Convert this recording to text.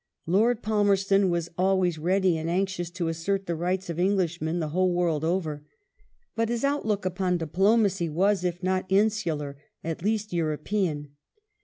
Lord Palmei ston was always ready and anxious to assert the rights of Englishmen the whole world over. But his outlook upon diplomacy was, if not insular, at least European.